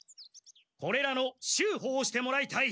これらの修補をしてもらいたい。